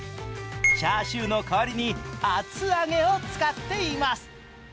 チャーシューの代わりに厚揚げを使っています。